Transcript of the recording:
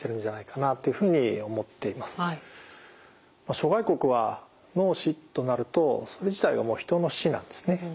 諸外国は脳死となるとそれ自体がもう人の死なんですね。